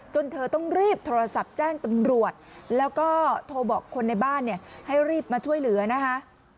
เธอต้องรีบโทรศัพท์แจ้งตำรวจแล้วก็โทรบอกคนในบ้านเนี่ยให้รีบมาช่วยเหลือนะคะ